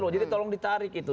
jadi tolong ditarik itu